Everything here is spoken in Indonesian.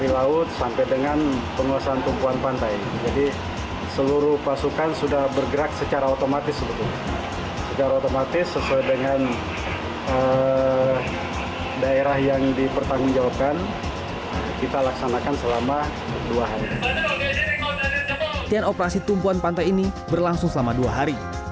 latihan operasi tumpuan pantai ini berlangsung selama dua hari